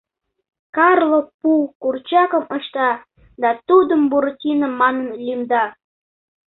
Карло пу курчакым ышта да тудым Буратино манын лӱмда.